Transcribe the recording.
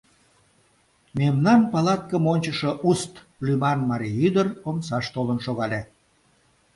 Мемнан палаткым ончышо Устт лӱман марий ӱдыр омсаш толын шогале.